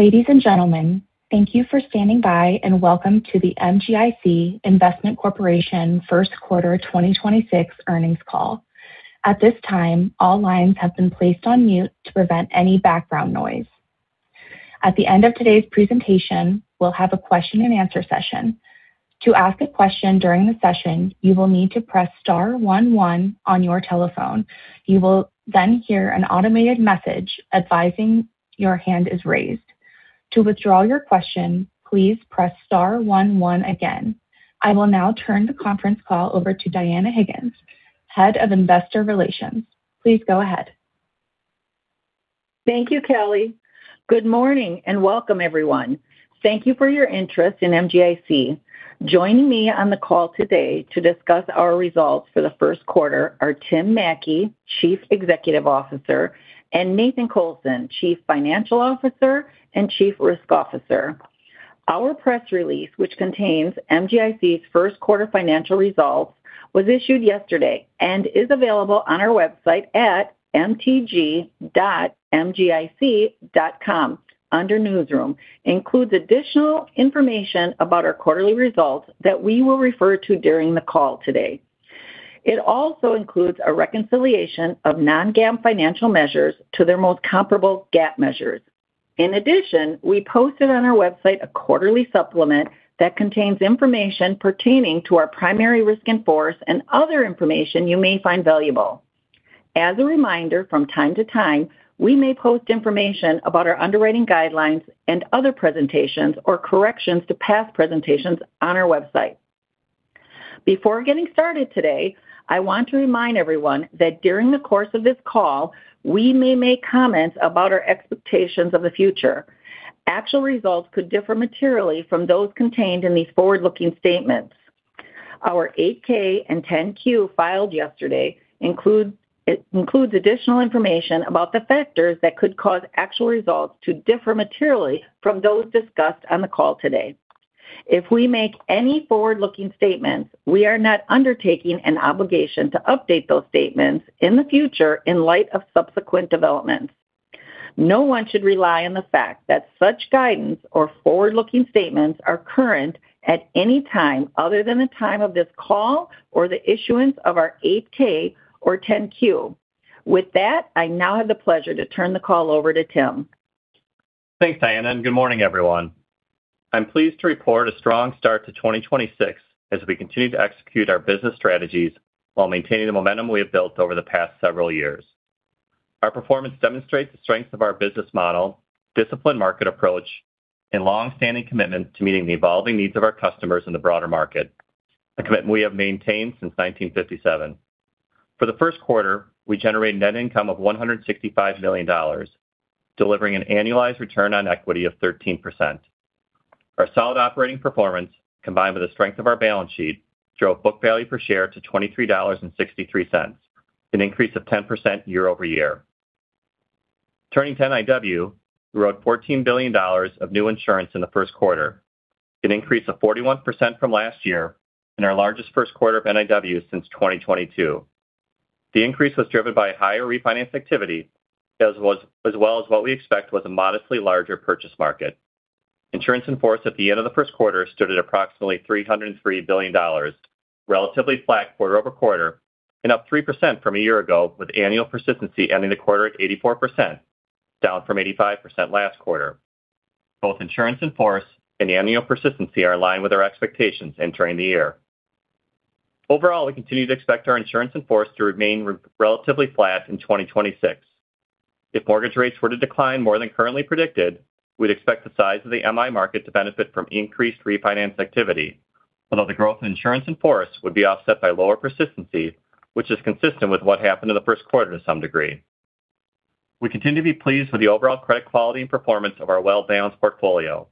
Ladies and gentlemen, thank you for standing by and welcome to the MGIC Investment Corporation First Quarter 2026 Earnings Call. At this time, all lines have been placed on mute to prevent any background noise. At the end of today's presentation, we'll have a question and answer session. To ask a question during the session you will need to press star one one on your telephone, you will then hear an automated message advising your hand is raised. To withdraw your question please press star one one again. I will now turn the conference call over to Dianna Higgins, Head of Investor Relations. Please go ahead. Thank you, Kelly. Good morning and welcome everyone. Thank you for your interest in MGIC. Joining me on the call today to discuss our results for the first quarter are Tim Mattke, Chief Executive Officer, and Nathan Colson, Chief Financial Officer and Chief Risk Officer. Our press release, which contains MGIC's first quarter financial results, was issued yesterday and is available on our website at mtg.mgic.com under Newsroom. Includes additional information about our quarterly results that we will refer to during the call today. It also includes a reconciliation of non-GAAP financial measures to their most comparable GAAP measures. In addition, we posted on our website a quarterly supplement that contains information pertaining to our primary risk in force and other information you may find valuable. As a reminder, from time to time, we may post information about our underwriting guidelines and other presentations or corrections to past presentations on our website. Before getting started today, I want to remind everyone that during the course of this call, we may make comments about our expectations of the future. Actual results could differ materially from those contained in these forward-looking statements. Our Form 8-K and Form 10-Q filed yesterday includes additional information about the factors that could cause actual results to differ materially from those discussed on the call today. If we make any forward-looking statements, we are not undertaking an obligation to update those statements in the future in light of subsequent developments. No one should rely on the fact that such guidance or forward-looking statements are current at any time other than the time of this call or the issuance of our Form 8-K or Form 10-Q. With that, I now have the pleasure to turn the call over to Tim. Thanks, Dianna. Good morning, everyone. I'm pleased to report a strong start to 2026 as we continue to execute our business strategies while maintaining the momentum we have built over the past several years. Our performance demonstrates the strength of our business model, disciplined market approach, and long-standing commitment to meeting the evolving needs of our customers in the broader market, a commitment we have maintained since 1957. For the first quarter, we generated net income of $165 million, delivering an annualized return on equity of 13%. Our solid operating performance, combined with the strength of our balance sheet, drove book value per share to $23.63, an increase of 10% year-over-year. Turning to NIW, we wrote $14 billion of new insurance in the first quarter, an increase of 41% from last year and our largest first quarter of NIW since 2022. The increase was driven by higher refinance activity, as well as what we expect was a modestly larger purchase market. Insurance in force at the end of the first quarter stood at approximately $303 billion, relatively flat quarter-over-quarter and up 3% from a year ago, with annual persistency ending the quarter at 84%, down from 85% last quarter. Both insurance in force and annual persistency are in line with our expectations entering the year. Overall, we continue to expect our insurance in force to remain relatively flat in 2026. If mortgage rates were to decline more than currently predicted, we'd expect the size of the MI market to benefit from increased refinance activity. Although the growth in insurance in force would be offset by lower persistency, which is consistent with what happened in the first quarter to some degree. We continue to be pleased with the overall credit quality and performance of our well-balanced portfolio.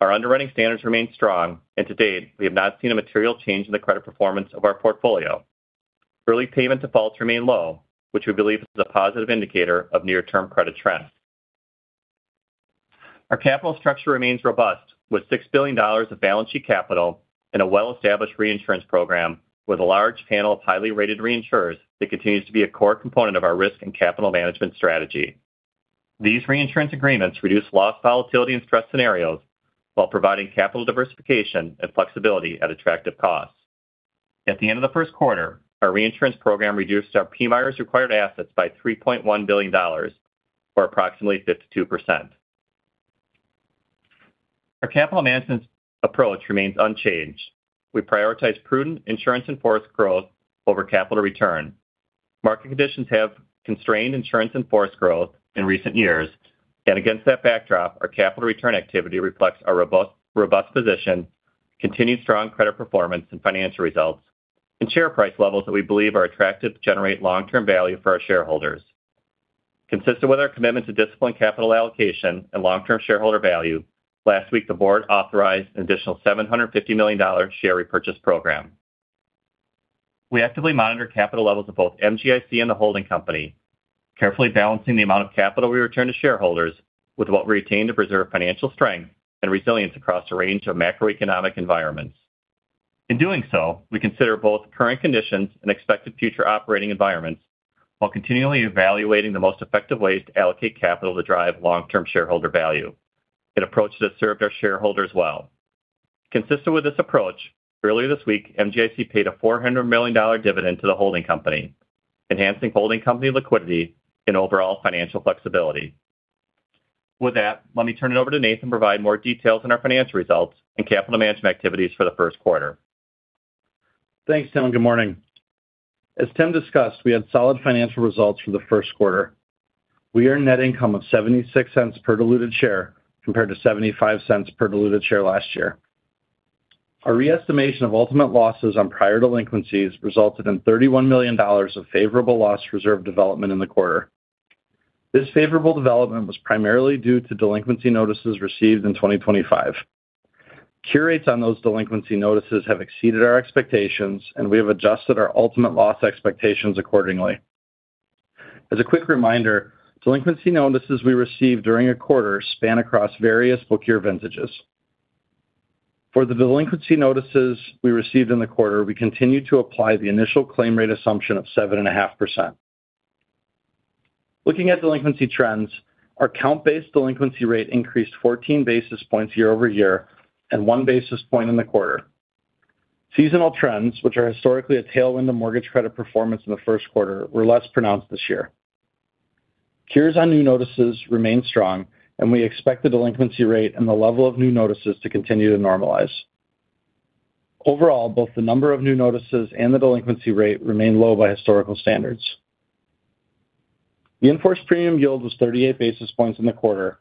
Our underwriting standards remain strong, and to date, we have not seen a material change in the credit performance of our portfolio. Early payment defaults remain low, which we believe is a positive indicator of near-term credit trends. Our capital structure remains robust, with $6 billion of balance sheet capital and a well-established reinsurance program with a large panel of highly rated reinsurers that continues to be a core component of our risk and capital management strategy. These reinsurance agreements reduce loss volatility and stress scenarios while providing capital diversification and flexibility at attractive costs. At the end of the first quarter, our reinsurance program reduced our PMIERs required assets by $3.1 billion, or approximately 52%. Our capital management approach remains unchanged. We prioritize prudent insurance in force growth over capital return. Market conditions have constrained insurance in force growth in recent years. Against that backdrop, our capital return activity reflects our robust position, continued strong credit performance and financial results, and share price levels that we believe are attractive to generate long-term value for our shareholders. Consistent with our commitment to disciplined capital allocation and long-term shareholder value, last week the board authorized an additional $750 million share repurchase program. We actively monitor capital levels of both MGIC and the holding company, carefully balancing the amount of capital we return to shareholders with what we retain to preserve financial strength and resilience across a range of macroeconomic environments. In doing so, we consider both current conditions and expected future operating environments while continually evaluating the most effective ways to allocate capital to drive long-term shareholder value. An approach that served our shareholders well. Consistent with this approach, earlier this week, MGIC paid a $400 million dividend to the holding company, enhancing holding company liquidity and overall financial flexibility. With that, let me turn it over to Nathan to provide more details on our financial results and capital management activities for the first quarter. Thanks, Tim. Good morning. As Tim discussed, we had solid financial results for the first quarter. We earned net income of $0.76 per diluted share compared to $0.75 per diluted share last year. Our re-estimation of ultimate losses on prior delinquencies resulted in $31 million of favorable loss reserve development in the quarter. This favorable development was primarily due to delinquency notices received in 2025. Cure rates on those delinquency notices have exceeded our expectations. We have adjusted our ultimate loss expectations accordingly. As a quick reminder, delinquency notices we receive during a quarter span across various book year vintages. For the delinquency notices we received in the quarter, we continue to apply the initial claim rate assumption of 7.5%. Looking at delinquency trends, our count-based delinquency rate increased 14 basis points year-over-year and 1 basis point in the quarter. Seasonal trends, which are historically a tailwind of mortgage credit performance in the first quarter, were less pronounced this year. Cures on new notices remain strong, and we expect the delinquency rate and the level of new notices to continue to normalize. Overall, both the number of new notices and the delinquency rate remain low by historical standards. The in-force premium yield was 38 basis points in the quarter,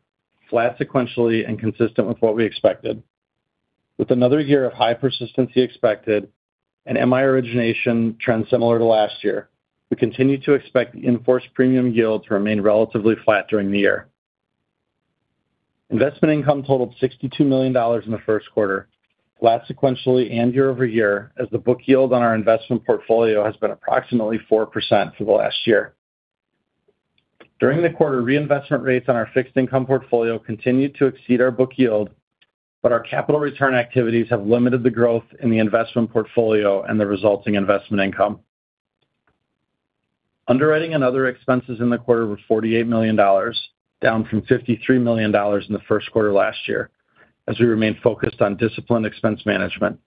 flat sequentially and consistent with what we expected. With another year of high persistency expected and MI origination trends similar to last year, we continue to expect the in-force premium yield to remain relatively flat during the year. Investment income totaled $62 million in the first quarter, flat sequentially and year-over-year, as the book yield on our investment portfolio has been approximately 4% for the last year. During the quarter, reinvestment rates on our fixed income portfolio continued to exceed our book yield, but our capital return activities have limited the growth in the investment portfolio and the resulting investment income. Underwriting and other expenses in the quarter were $48 million, down from $53 million in the first quarter last year, as we remain focused on disciplined expense management.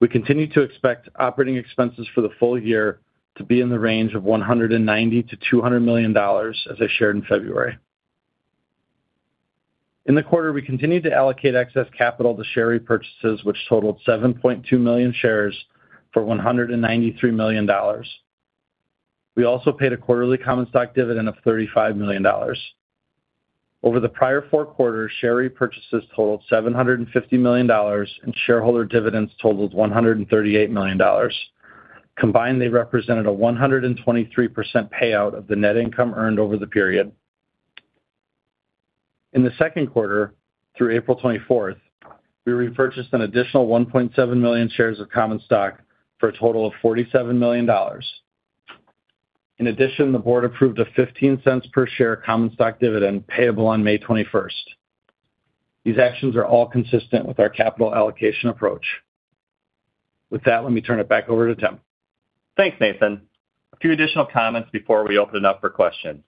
We continue to expect operating expenses for the full year to be in the range of $190 million-$200 million as I shared in February. In the quarter, we continued to allocate excess capital to share repurchases, which totaled 7.2 million shares for $193 million. We also paid a quarterly common stock dividend of $35 million. Over the prior 4 quarters, share repurchases totaled $750 million, and shareholder dividends totaled $138 million. Combined, they represented a 123% payout of the net income earned over the period. In the 2nd quarter, through April 24th, we repurchased an additional 1.7 million shares of common stock for a total of $47 million. In addition, the board approved a $0.15 per share common stock dividend payable on May 21st. These actions are all consistent with our capital allocation approach. With that, let me turn it back over to Tim. Thanks, Nathan. A few additional comments before we open it up for questions.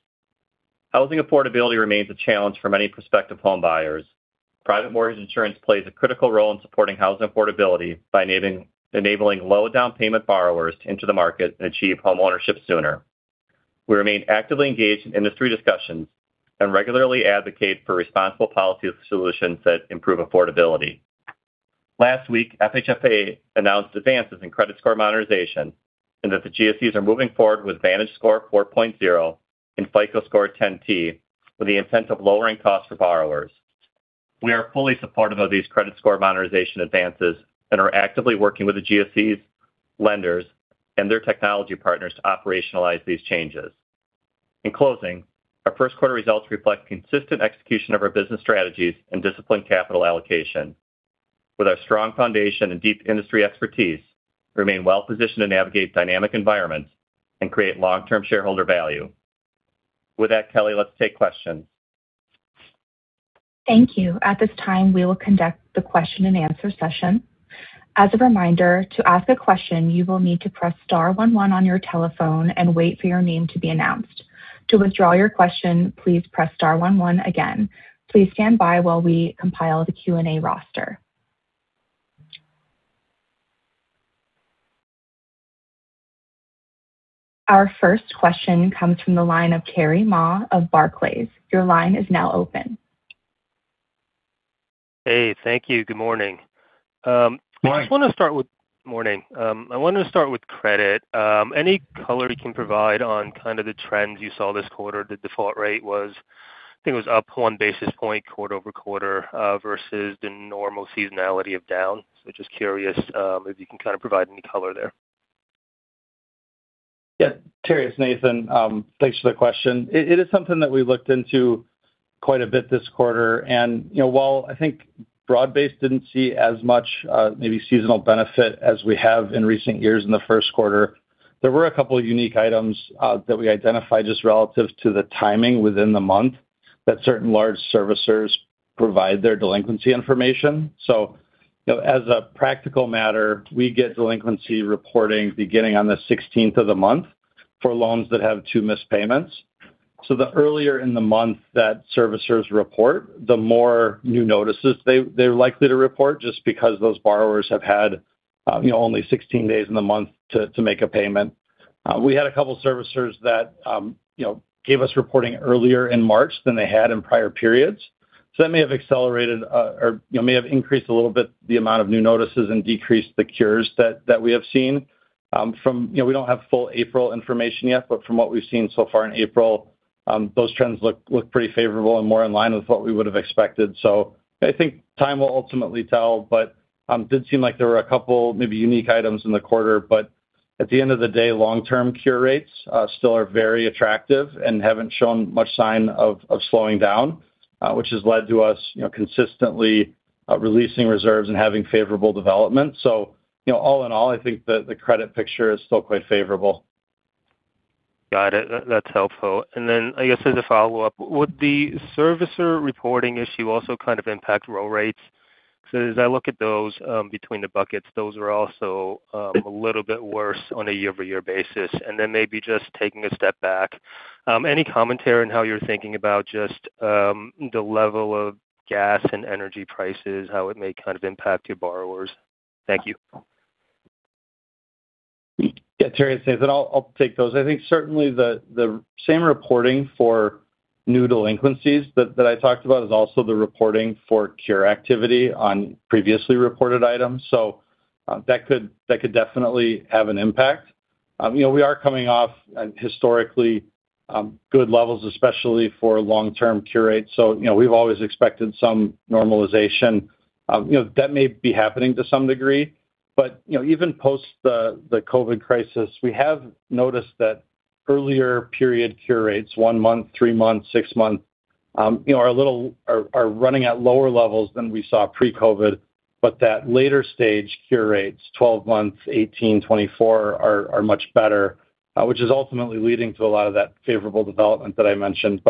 Housing affordability remains a challenge for many prospective home buyers. Private mortgage insurance plays a critical role in supporting housing affordability by enabling low down payment borrowers into the market and achieve homeownership sooner. We remain actively engaged in industry discussions and regularly advocate for responsible policy solutions that improve affordability. Last week, FHFA announced advances in credit score modernization and that the GSEs are moving forward with VantageScore 4.0 and FICO Score 10 T with the intent of lowering costs for borrowers. We are fully supportive of these credit score modernization advances and are actively working with the GSEs, lenders, and their technology partners to operationalize these changes. In closing, our first quarter results reflect consistent execution of our business strategies and disciplined capital allocation. With our strong foundation and deep industry expertise, we remain well-positioned to navigate dynamic environments and create long-term shareholder value. With that, Kelly, let's take questions. Thank you. At this time, we will conduct the question-and-answer session. As a reminder, to ask a question, you will need to press star one one on your telephone and wait for your name to be announced. To withdraw your question, please press star one one again. Please stand by while we compile the Q&A roster. Our first question comes from the line of Terry Ma of Barclays. Your line is now open. Hey. Thank you. Good morning. Morning. Morning. I want to start with credit. Any color you can provide on kind of the trends you saw this quarter? The default rate was, I think it was up 1 basis point quarter-over-quarter, versus the normal seasonality of down. Just curious, if you can kind of provide any color there. Yeah, Terry, it's Nathan. Thanks for the question. It is something that we looked into quite a bit this quarter and, you know, while I think broad-based didn't see as much maybe seasonal benefit as we have in recent years in the first quarter. There were a couple unique items that we identified just relative to the timing within the month that certain large servicers provide their delinquency information. You know, as a practical matter, we get delinquency reporting beginning on the 16th of the month for loans that have two missed payments. The earlier in the month that servicers report, the more new notices they're likely to report, just because those borrowers have had, you know, only 16 days in the month to make a payment. We had two servicers that, you know, gave us reporting earlier in March than they had in prior periods. That may have accelerated, or, you know, may have increased a little bit the amount of new notices and decreased the cures that we have seen. From what we've seen so far in April, those trends look pretty favorable and more in line with what we would have expected. I think time will ultimately tell, but did seem like there were two maybe unique items in the quarter. At the end of the day, long-term cure rates still are very attractive and haven't shown much sign of slowing down, which has led to us, you know, consistently releasing reserves and having favorable development. You know, all in all, I think the credit picture is still quite favorable. Got it. That's helpful. I guess as a follow-up, would the servicer reporting issue also kind of impact roll rates? Because as I look at those, between the buckets, those are also a little bit worse on a year-over-year basis. Maybe just taking a step back, any commentary on how you're thinking about just the level of gas and energy prices, how it may kind of impact your borrowers? Thank you. Yeah, Terry, it's Nathan. I'll take those. I think certainly the same reporting for new delinquencies that I talked about is also the reporting for cure activity on previously reported items. That could definitely have an impact. You know, we are coming off historically good levels, especially for long-term cure rates. You know, we've always expected some normalization. You know, that may be happening to some degree. You know, even post the COVID crisis, we have noticed that earlier period cure rates, 1 month, 3 month, 6 month, you know, are running at lower levels than we saw pre-COVID. That later stage cure rates, 12 months, 18, 24 are much better, which is ultimately leading to a lot of that favorable development that I mentioned.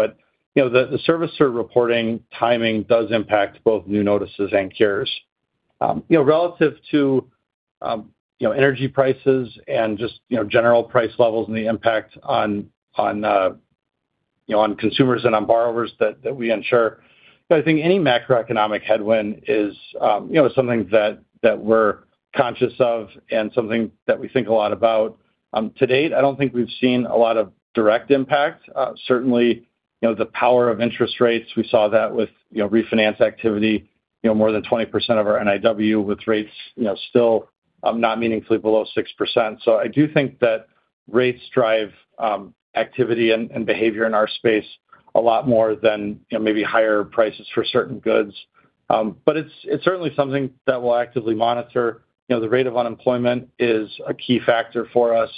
You know, the servicer reporting timing does impact both new notices and cures. You know, relative to, you know, energy prices and just, you know, general price levels and the impact on, you know, on consumers and on borrowers that we insure. I think any macroeconomic headwind is, you know, something that we're conscious of and something that we think a lot about. To date, I don't think we've seen a lot of direct impact. Certainly, you know, the power of interest rates, we saw that with, you know, refinance activity, you know, more than 20% of our NIW with rates, you know, still not meaningfully below 6%. I do think that rates drive activity and behavior in our space a lot more than, you know, maybe higher prices for certain goods. It's, it's certainly something that we'll actively monitor. You know, the rate of unemployment is a key factor for us.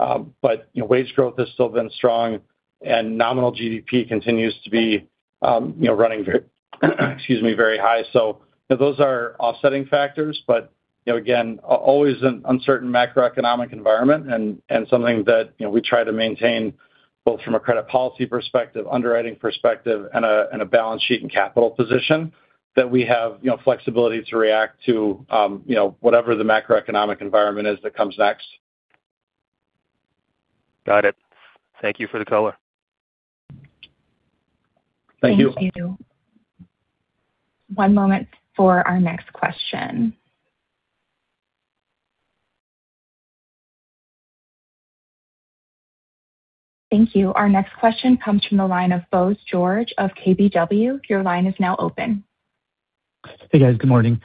You know, wage growth has still been strong, and nominal GDP continues to be, you know, running very excuse me, very high. Those are offsetting factors. You know, again, always an uncertain macroeconomic environment and something that, you know, we try to maintain both from a credit policy perspective, underwriting perspective and a, and a balance sheet and capital position that we have, you know, flexibility to react to, you know, whatever the macroeconomic environment is that comes next. Got it. Thank you for the color. Thank you. Thank you. One moment for our next question. Thank you. Our next question comes from the line of Bose George of KBW. Your line is now open. Hey, guys. Good morning.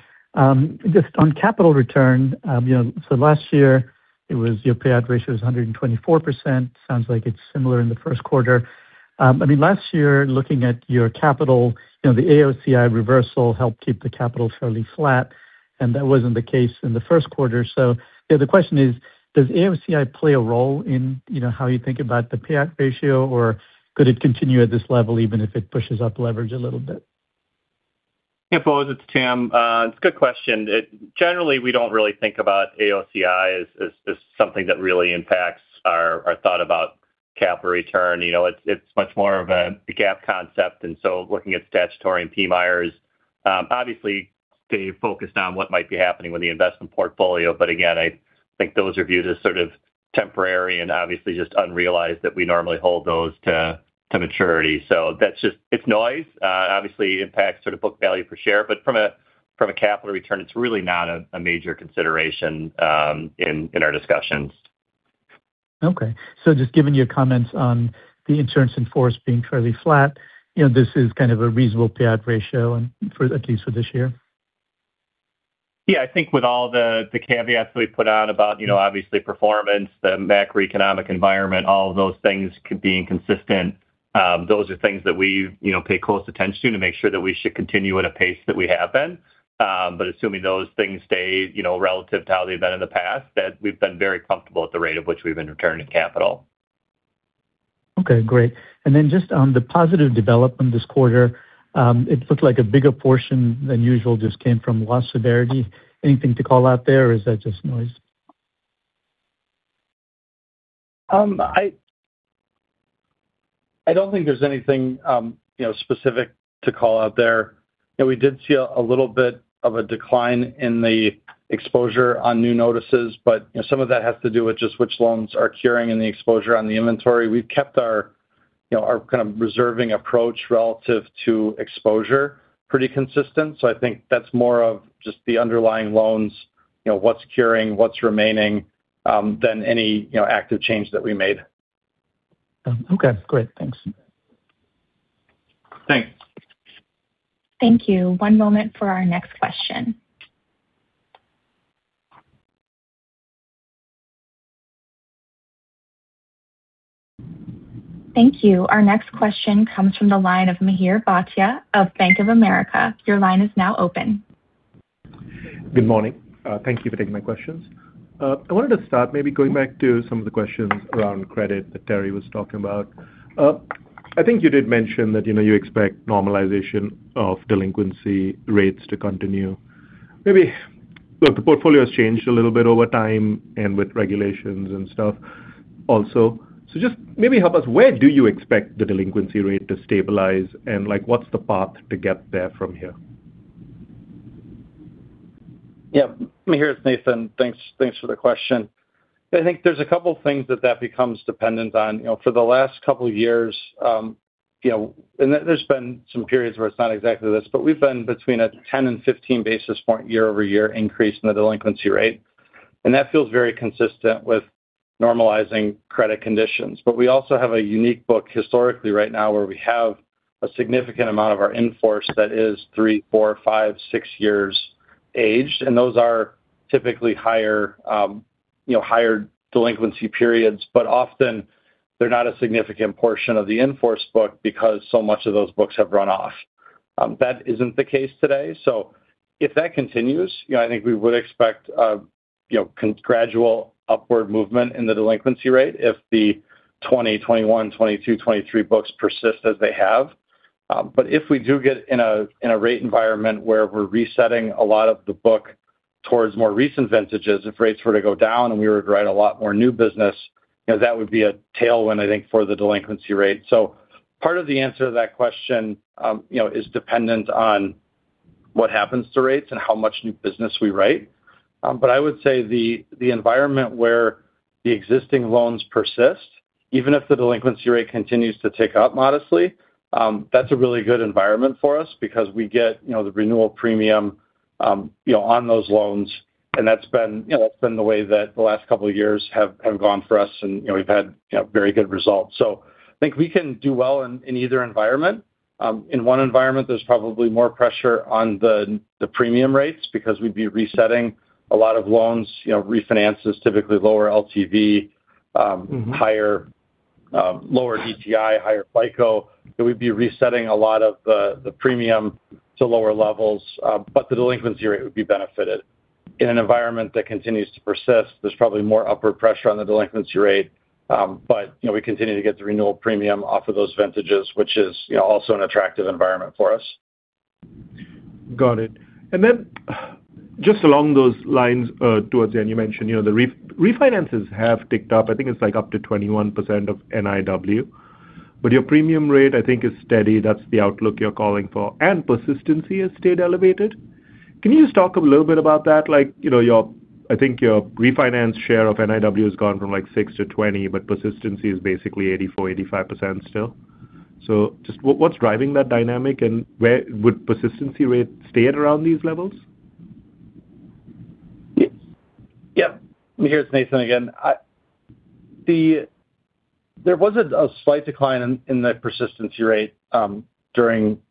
Just on capital return, you know, last year it was your payout ratio was 124%. Sounds like it's similar in the first quarter. I mean, last year, looking at your capital, you know, the AOCI reversal helped keep the capital fairly flat, and that wasn't the case in the first quarter. You know, the question is, does AOCI play a role in, you know, how you think about the payout ratio, or could it continue at this level even if it pushes up leverage a little bit? Yeah, Bose, it's Tim. It's a good question. Generally, we don't really think about AOCI as something that really impacts our thought about capital return. You know, it's much more of a GAAP concept. Looking at statutory and PMIERs, obviously stay focused on what might be happening with the investment portfolio. Again, I think those are viewed as sort of temporary and obviously just unrealized that we normally hold those to maturity. It's noise. Obviously impacts sort of book value per share, but from a capital return, it's really not a major consideration in our discussions. Okay. Just given your comments on the insurance in force being fairly flat, you know, this is kind of a reasonable payout ratio and at least for this year? Yeah. I think with all the caveats that we put out about, you know, obviously performance, the macroeconomic environment, all of those things being consistent, those are things that we, you know, pay close attention to make sure that we should continue at a pace that we have been. Assuming those things stay, you know, relative to how they've been in the past, that we've been very comfortable at the rate of which we've been returning capital. Okay, great. Just on the positive development this quarter, it looked like a bigger portion than usual just came from loss severity. Anything to call out there or is that just noise? I don't think there's anything, you know, specific to call out there. You know, we did see a little bit of a decline in the exposure on new notices, but, you know, some of that has to do with just which loans are curing and the exposure on the inventory. We've kept our, you know, our kind of reserving approach relative to exposure pretty consistent. I think that's more of just the underlying loans, you know, what's curing, what's remaining, than any, you know, active change that we made. Okay, great. Thanks. Thanks. Thank you. One moment for our next question. Thank you. Our next question comes from the line of Mihir Bhatia of Bank of America. Good morning. Thank you for taking my questions. I wanted to start maybe going back to some of the questions around credit that Terry was talking about. I think you did mention that, you know, you expect normalization of delinquency rates to continue. Maybe, look, the portfolio's changed a little bit over time and with regulations and stuff also. Just maybe help us, where do you expect the delinquency rate to stabilize? Like, what's the path to get there from here? Yeah. Mihir, it's Nathan. Thanks, thanks for the question. I think there's a couple things that that becomes dependent on. You know, for the last couple years, you know, and there's been some periods where it's not exactly this, but we've been between a 10 and 15 basis point year-over-year increase in the delinquency rate. That feels very consistent with normalizing credit conditions. We also have a unique book historically right now where we have a significant amount of our in-force that is 3, 4, 5, 6 years aged, and those are typically higher, you know, higher delinquency periods. Often they're not a significant portion of the in-force book because so much of those books have run off. That isn't the case today. If that continues, you know, I think we would expect, you know, gradual upward movement in the delinquency rate if the 2020, 2021, 2022, 2023 books persist as they have. If we do get in a rate environment where we're resetting a lot of the book towards more recent vintages, if rates were to go down and we were to write a lot more new business, you know, that would be a tailwind, I think, for the delinquency rate. Part of the answer to that question, you know, is dependent on what happens to rates and how much new business we write. I would say the environment where the existing loans persist, even if the delinquency rate continues to tick up modestly, that's a really good environment for us because we get, you know, the renewal premium, you know, on those loans, and that's been, you know, that's been the way that the last couple years have gone for us and, you know, we've had, you know, very good results. I think we can do well in either environment. In one environment there's probably more pressure on the premium rates because we'd be resetting a lot of loans, you know, refinances typically lower LTV. Mm-hmm... higher, lower DTI, higher FICO. We'd be resetting a lot of the premium to lower levels. The delinquency rate would be benefited. In an environment that continues to persist, there's probably more upward pressure on the delinquency rate. You know, we continue to get the renewal premium off of those vintages which is, you know, also an attractive environment for us. Got it. Then just along those lines, towards the end you mentioned, you know, refinances have ticked up. I think it's like up to 21% of NIW. Your premium rate I think is steady. That's the outlook you're calling for. Persistency has stayed elevated. Can you just talk a little bit about that? Like, you know, your, I think your refinance share of NIW has gone from like 6% to 20%, but persistency is basically 84%, 85% still. Just what's driving that dynamic and where would persistency rate stay at around these levels? Yeah. Mihir, it's Nathan again. There was a slight decline in the persistency rate during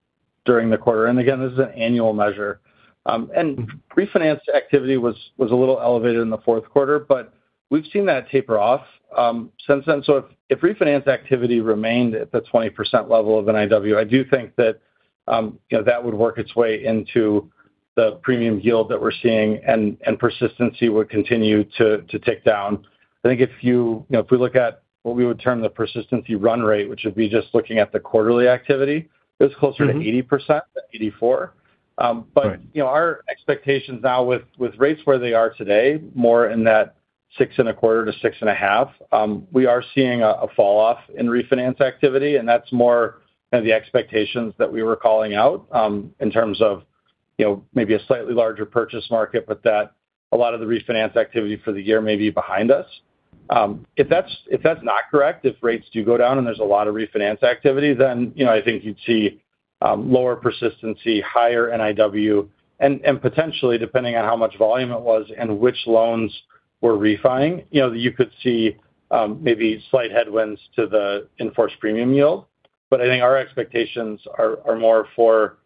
the quarter. Again, this is an annual measure. Refinance activity was a little elevated in the fourth quarter, but we've seen that taper off since then. If refinance activity remained at the 20% level of NIW, I do think that, you know, that would work its way into the premium yield that we're seeing and persistency would continue to tick down. I think if you know, if we look at what we would term the persistency run rate which would be just looking at the quarterly activity, it was closer to 80% than 84. Right... but, you know, our expectations now with rates where they are today, more in that 6.25-6.5, we are seeing a fall off in refinance activity, and that's more kind of the expectations that we were calling out, in terms of, you know, maybe a slightly larger purchase market but that a lot of the refinance activity for the year may be behind us. If that's, if that's not correct, if rates do go down and there's a lot of refinance activity, then, you know, I think you'd see lower persistency, higher NIW and potentially depending on how much volume it was and which loans we're refi-ing, you know, you could see maybe slight headwinds to the in-force premium yield. I think our expectations are more for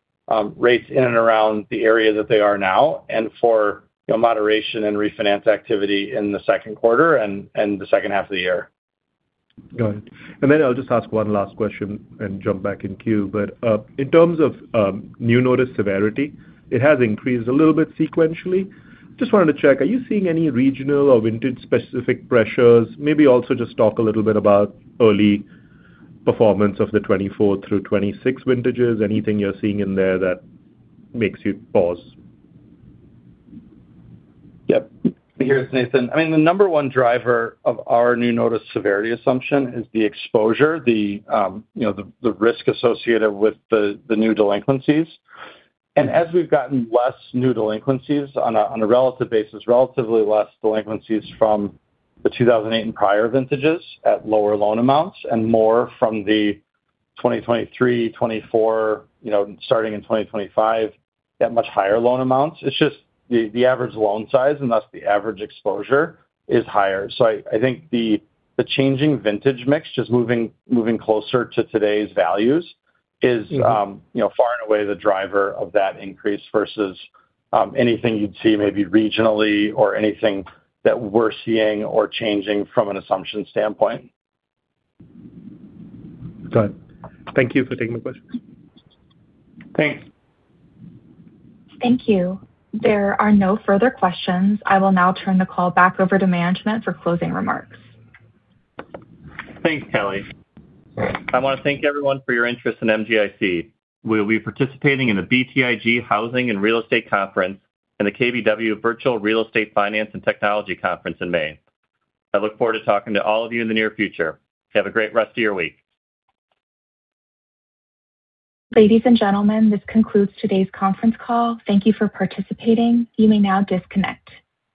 rates in and around the area that they are now and for, you know, moderation and refinance activity in the second quarter and the second half of the year. Got it. I'll just ask one last question and jump back in queue. In terms of new notice severity, it has increased a little bit sequentially. Just wanted to check, are you seeing any regional or vintage-specific pressures? Maybe also just talk a little bit about early performance of the 2024 through 2026 vintages. Anything you're seeing in there that makes you pause? Mihir, it's Nathan. I mean, the number one driver of our new notice severity assumption is the exposure, the, you know, the risk associated with the new delinquencies. As we've gotten less new delinquencies on a relative basis, relatively less delinquencies from the 2008 and prior vintages at lower loan amounts and more from the 2023, 2024, you know, starting in 2025 at much higher loan amounts, it's just the average loan size, and thus the average exposure is higher. I think the changing vintage mix just moving closer to today's values is- Mm-hmm... you know, far and away the driver of that increase versus anything you'd see maybe regionally or anything that we're seeing or changing from an assumption standpoint. Got it. Thank you for taking my questions. Thanks. Thank you. There are no further questions. I will now turn the call back over to management for closing remarks. Thanks, Kelly. I want to thank everyone for your interest in MGIC. We'll be participating in the BTIG Housing and Real Estate Conference and the KBW Virtual Real Estate Finance and Technology Conference in May. I look forward to talking to all of you in the near future. Have a great rest of your week. Ladies and gentlemen, this concludes today's conference call. Thank you for participating. You may now disconnect.